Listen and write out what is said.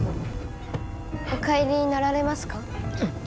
お帰りになられますか？